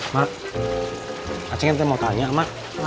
mak acing nanti mau tanya